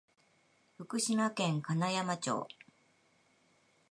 福島県金山町